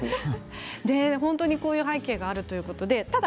こういう背景があるということです。